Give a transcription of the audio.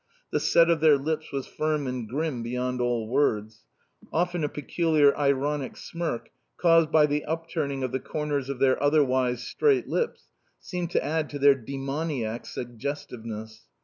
The set of their lips was firm and grim beyond all words. Often a peculiar ironic smirk, caused by the upturning of the corners of their otherwise straight lips, seemed to add to their demoniac suggestiveness.